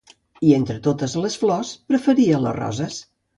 I, entre totes les flors, preferia les roses.